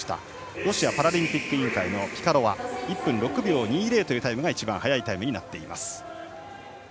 ロシアパラリンピック委員会の選手が１分６秒２０というのが一番速いタイムになっています。